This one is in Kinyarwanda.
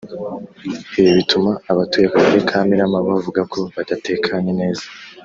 Ibi bituma abatuye akagari ka Mirama bavuga ko badatekanye neza